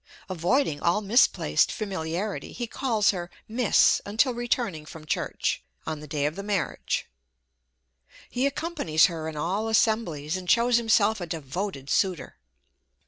Avoiding all misplaced familiarity, he calls her Miss until returning from church, on the day of marriage; he accompanies her in all assemblies, and shows himself a devoted suitor.